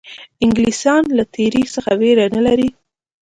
انګلیسیان له تېري څخه وېره نه لري.